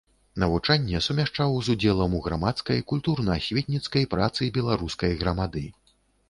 Навучанне сумяшчаў з удзелам у грамадскай, культурна-асветніцкай працы беларускай грамады.